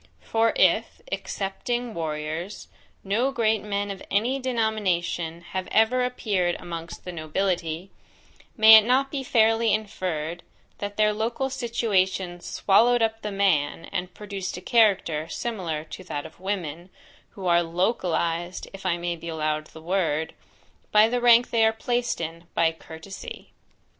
For if, excepting warriors, no great men of any denomination, have ever appeared amongst the nobility, may it not be fairly inferred, that their local situation swallowed up the man, and produced a character similar to that of women, who are LOCALIZED, if I may be allowed the word, by the rank they are placed in, by COURTESY?